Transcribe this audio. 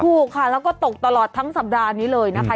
ถูกค่ะแล้วก็ตกตลอดทั้งสัปดาห์นี้เลยนะคะ